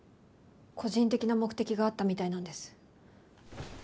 個人的な目的があったみたいなんです。